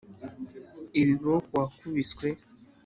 ibiboko wakubiswe